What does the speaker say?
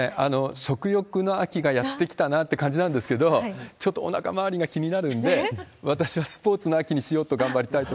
食欲の秋がやって来たなって感じなんですけど、ちょっとおなか回りが気になるんで、私はスポーツの秋にしようと